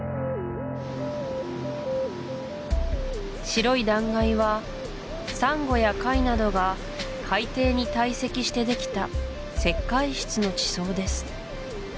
白い断崖はサンゴや貝などが海底に堆積してできた石灰質の地層です